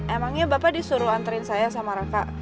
emangnya bapak disuruh anterin saya sama raka